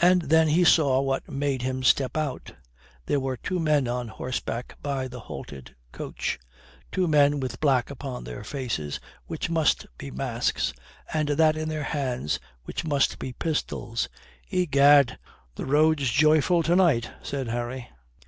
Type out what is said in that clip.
And then he saw what made him step out. There were two men on horseback by the halted coach two men with black upon their faces which must be masks, and that in their hands which must be pistols. "Egad, the road's joyful to night," said Harry.